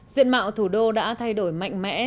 diện mạo thủ đô đã thay đổi mạnh mẽ